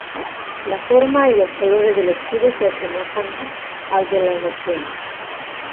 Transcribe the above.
La forma y los colores del escudo se asemejan al de la nación.